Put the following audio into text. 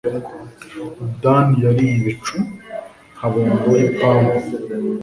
Dan yariye ibicu nka bombo y’ ipamba.